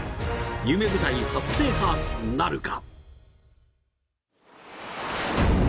夢舞台、初制覇なるか。